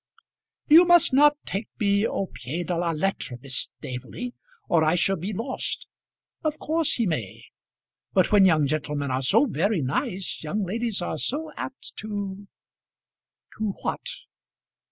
"You must not take me 'au pied de la lettre,' Miss Staveley, or I shall be lost. Of course he may. But when young gentlemen are so very nice, young ladies are so apt to " "To what?"